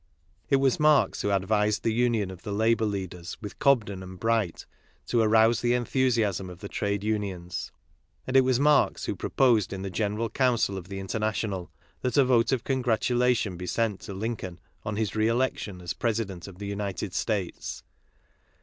It was Marx who advised the union of the labour leaders with Cobden and Bright to arouse the enthusiasm of the trade unions ; and it was Marx who proposed in the General Council of the Inter national, that a vote of congratulation be sent to Lincoln, on his re election as President of the United States.